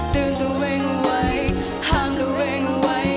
เตือนตัวเองไว้ห้ามตัวเองไว้